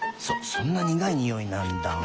そんなにがいにおいなんだ。